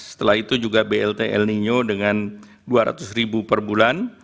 setelah itu juga blt el nino dengan dua ratus ribu per bulan